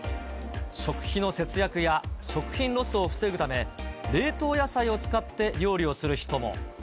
食費の節約や食品ロスを防ぐため、冷凍野菜を使って料理をする人も。